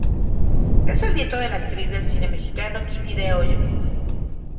Es el nieto de la actriz del cine mexicano Kitty de Hoyos.